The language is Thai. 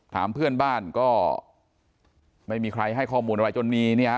ถามเพื่อนบ้านก็ไม่มีใครให้ข้อมูลอะไรจนมีเนี่ยฮะ